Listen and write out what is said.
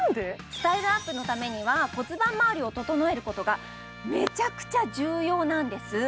スタイルアップのためには骨盤まわりを整えることがめちゃくちゃ重要なんです。